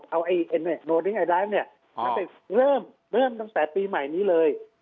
โรดลิงค์ไอดรายด์เนี่ยเริ่มตั้งแต่ปีใหม่นี้เลย